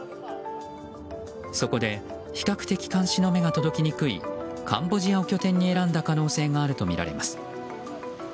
そこで、比較的監視の目が届きにくいカンボジアを拠点に選んだ可能性があるとみられます。